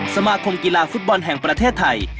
สมาคมกีฬาฟุตบอลแห่งประเทศไทย